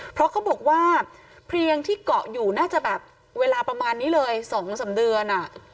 เพราะเขาบอกว่าเพลียงที่เกาะอยู่น่าจะแบบเวลาประมาณนี้เลย๒๓เดือน